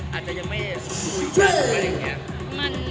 อาจจะยังไม่สมมุติกันหรืออะไรอย่างนี้